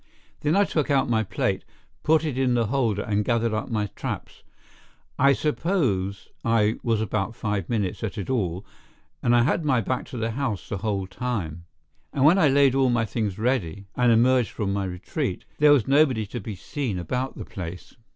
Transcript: Then I took out my plate, put it in the holder and gathered up my traps. I suppose I was about five minutes at it all and I had my back to the house the whole time, and when I laid all my things ready and emerged from my retreat, there was nobody to be seen about the place.